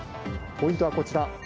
ポイントはこちら。